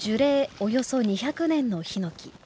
およそ２００年のヒノキ。